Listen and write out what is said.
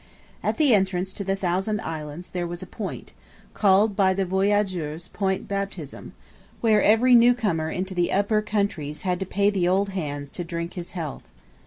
At the entrance to the Thousand Islands there was a point, called by the voyageurs Point Baptism, where every new comer into the 'Upper Countries' had to pay the old hands to drink his health.